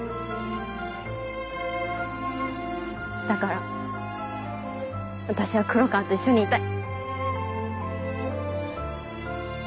だから私は黒川と一緒にいたい。